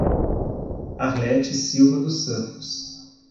Arlete Silva dos Santos